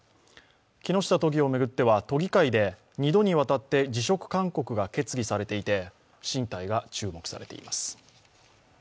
木下都議を巡っては都議会で二度にわたって辞職勧告が決議されていて進退が注目されています。